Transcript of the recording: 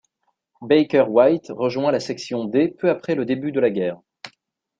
Baker White rejoint la section D peu après le début de la guerre.